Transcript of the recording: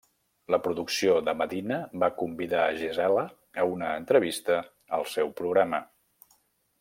La producció de Medina va convidar a Gisela a una entrevista al seu programa.